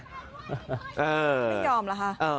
ไม่ยอมอะไรฮะ